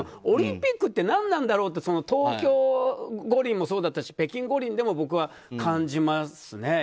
オリンピックって何なんだろうって東京五輪もそうだったし北京五輪でも僕は感じますね。